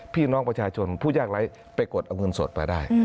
พี่น้องประชาชนผู้ยากไร้ไปกดเอาเงินสดมาได้